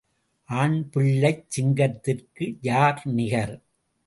ஆண் பிள்ளைச் சிங்கத்திற்கு யார் நிகர்?